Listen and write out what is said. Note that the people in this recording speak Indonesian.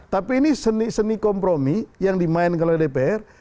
tapi ini seni seni kompromi yang dimainkan oleh dpr